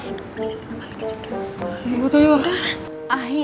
neneknya udah kembali ke rumah sakit